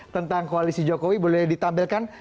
tentang koalisi jokowi boleh ditampilkan